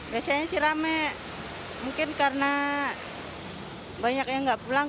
biasanya sih rame mungkin karena banyak yang nggak pulang